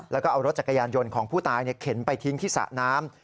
แล้วก็เอารถจักรยานยนต์ของผู้ตายเข็นไปทิ้งที่สระน้ำ